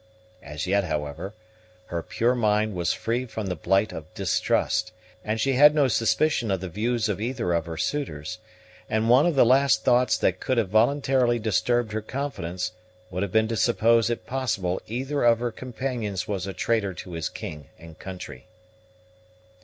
As yet, however, her pure mind was free from the blight of distrust, and she had no suspicion of the views of either of her suitors; and one of the last thoughts that could have voluntarily disturbed her confidence would have been to suppose it possible either of her companions was a traitor to his king and country.